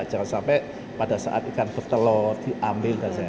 jangan sampai pada saat ikan bertelur diambil